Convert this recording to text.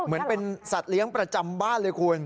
เหมือนเป็นสัตว์เลี้ยงประจำบ้านเลยคุณ